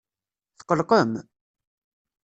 Tqelqem?